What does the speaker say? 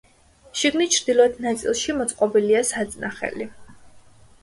შიგნით ჩრდილოეთ ნაწილში, მოწყობილია საწნახელი.